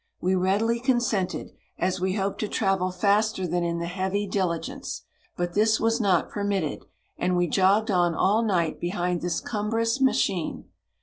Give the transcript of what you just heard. We readily con sented, as we hoped to travel faster 73 than in the heavy diligence ; but this was not permitted, and we jogged on all night behind this cumbrous ma chine.